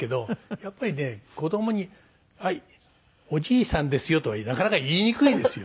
やっぱりね子供に「はい。おじいさんですよ」とはなかなか言いにくいですよ。